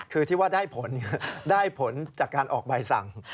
คือที่ว่าได้ผลได้ผลจากการออกใบสั่ง